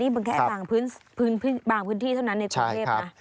นี่เพียงแค่ฝั่งพื้นที่เท่านั้นในประเทศ